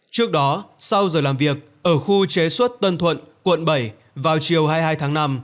trước đó sau giờ làm việc ở khu chế xuất tân thuận quận bảy vào chiều hai mươi hai tháng năm